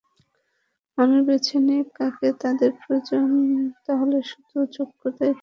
মানুষ বেছে নিক, কাকে তাদের প্রয়োজন, তাহলে শুধু যোগ্যতা থাকলেই হবে।